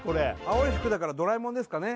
青い服だからドラえもんですかね